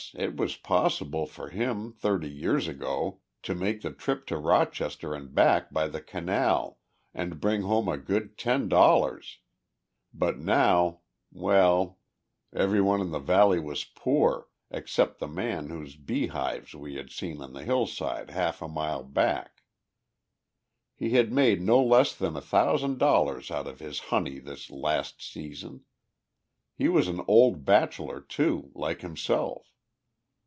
it was possible for him, thirty years ago, to make the trip to Rochester and back by the canal, and bring home a good ten dollars; but now well, every one in the valley was poor, except the man whose beehives we had seen on the hillside half a mile back. He had made no less than a thousand dollars out of his honey this last season. He was an old bachelor, too, like himself.